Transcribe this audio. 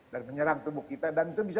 menyerang tubuh kita dan itu bisa